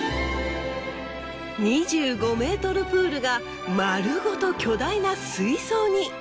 ２５ｍプールが丸ごと巨大な水槽に。